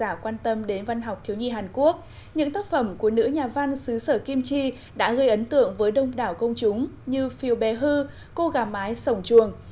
nếu bạn đã quan tâm đến văn học thiếu nhi hàn quốc những tác phẩm của nữ nhà văn xứ sở kim chi đã gây ấn tượng với đông đảo công chúng như phiêu bè hư cô gà mái sổng chuồng